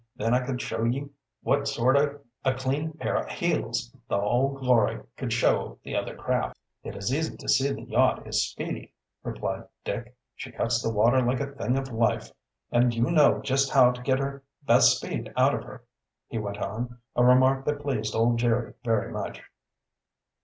"Then I could show ye what sort o' a clean pair o' heels the Old Glory could show the other craft." "It is easy to see the yacht is speedy," replied Dick. "She cuts the water like a thing of life. And you know just how to get her best speed out of her," he went on, a remark that pleased old Jerry very much.